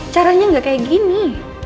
caranya enggak kayak gini